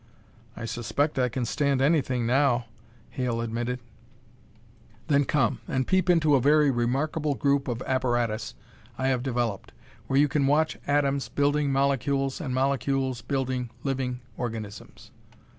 "I suspect I can stand anything now," Hale admitted. "Then come and peep into a very remarkable group of apparatus I have developed, where you can watch atoms building molecules and molecules building living organisms."